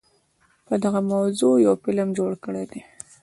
په دغه موضوع يو فلم جوړ کړے دے